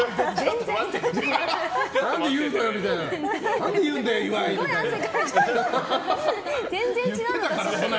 何で言うんだよ、岩井みたいな。